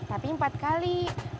tapi empat kali